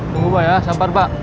tunggu mbak ya sabar mbak